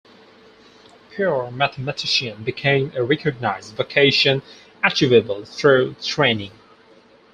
Pure mathematician became a recognized vocation, achievable through training.